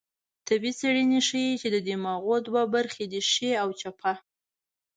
طبي څېړنې ښيي، چې د دماغو دوه برخې دي؛ ښۍ او چپه